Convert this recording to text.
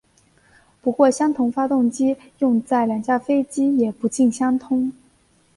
不过相同发动机用在两架飞机也不尽相通。